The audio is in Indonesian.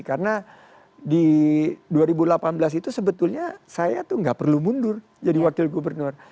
karena di dua ribu delapan belas itu sebetulnya saya tuh nggak perlu mundur jadi wakil gubernur